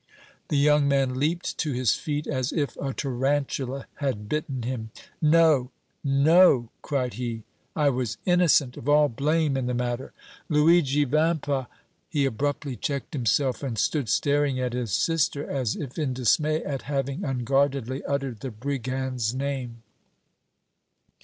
The young man leaped to his feet as if a tarantula had bitten him. "No, no!" cried he. "I was innocent of all blame in the matter! Luigi Vampa " He abruptly checked himself and stood staring at his sister, as if in dismay at having unguardedly uttered the brigand's name.